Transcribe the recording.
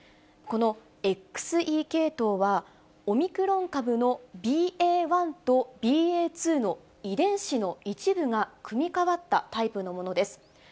このＸＥ系統は、オミクロン株のＢＡ．１とＢＡ．２の遺伝子の一部が組み替わったタイプのものです。